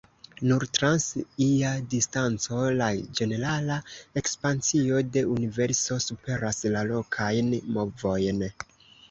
Nur trans ia distanco, la ĝenerala ekspansio de Universo superas la lokajn movojn.